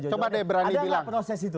jodoh coba deh berani bilang ada gak proses itu